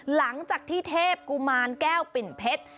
หลังจากที่เทพกุมารแก้วปิ่นเพชร